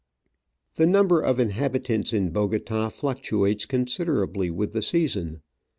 135 The number of inhabitants in Bogota fluctuates con siderably with the season.